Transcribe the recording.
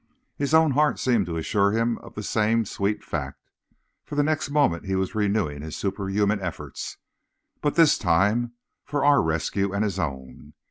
His own heart seemed to assure him of the same sweet fact, for the next moment he was renewing his superhuman efforts, but this time for our rescue and his own.